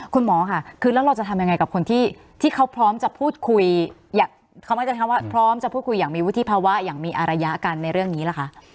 คุณหมอค่ะแล้วเราจะทำยังไงกับคนที่เขาพร้อมจะพูดคุยอย่างมีวุฒิภาวะอย่างมีอารยาการในเรื่องนี้ล่ะคะ